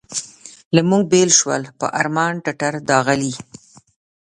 له موږ بېل شول په ارمان ټټر داغلي.